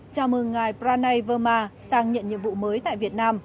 chào mừng ngài pranay verma sang nhận nhiệm vụ mới tại việt nam